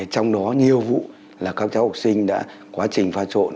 trong đó nhiều vụ là các cháu học sinh đã quá trình pha trộn